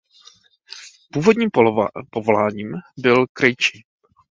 Původním povoláním byl krejčí.